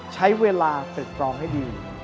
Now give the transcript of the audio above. ใช้เวลาตึกรองให้ดี